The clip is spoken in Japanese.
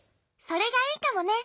それがいいかもね。